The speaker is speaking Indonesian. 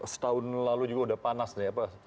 setahun lalu juga sudah panas nih ya pak